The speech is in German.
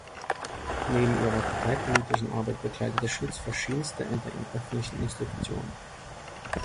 Neben ihrer parteipolitischen Arbeit bekleidete Schütz verschiedenste Ämter in öffentlichen Institutionen.